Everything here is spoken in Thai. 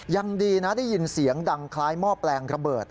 ยังดีนะได้ยินเสียงดังคล้ายหม้อแปลงระเบิด